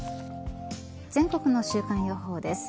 全国の週間予報です。